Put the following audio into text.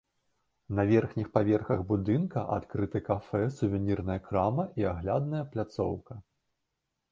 На верхніх паверхах будынка адкрыты кафэ, сувенірная крама і аглядная пляцоўка.